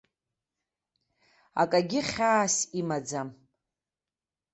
Акгьы хьаас имаӡам.